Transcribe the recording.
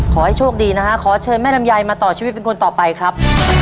ขอให้โชคดีนะฮะขอเชิญแม่ลำไยมาต่อชีวิตเป็นคนต่อไปครับ